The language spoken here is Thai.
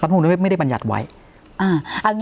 พระบุงไม่ได้บรรยัดไว้